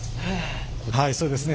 はいそうですね